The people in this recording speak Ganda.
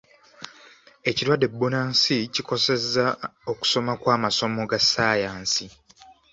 Ekirwadde bbunansi kikosezza okusoma kw'amasomo ga ssaayansi.